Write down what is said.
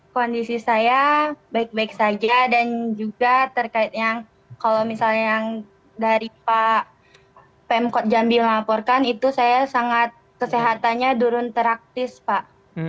kondisi saya baik baik saja dan juga terkait yang kalau misalnya yang dari pak pemkot jambi melaporkan itu saya sangat kesehatannya turun praktis pak